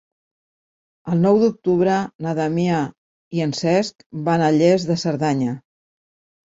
El nou d'octubre na Damià i en Cesc van a Lles de Cerdanya.